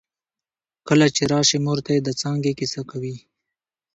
کله چې راشې مور ته يې د څانګې کیسه کوي